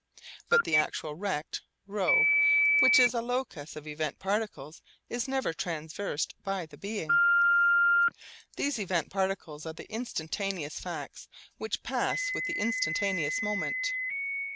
But the actual rect ρ which is a locus of event particles is never traversed by the being. These event particles are the instantaneous facts which pass with the instantaneous moment.